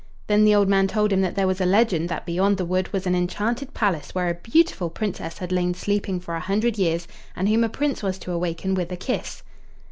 Then the old man told him that there was a legend that beyond the wood was an enchanted palace where a beautiful Princess had lain sleeping for a hundred years, and whom a Prince was to awaken with a kiss.